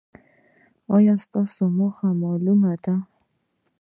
ایا ستاسو موخه معلومه ده؟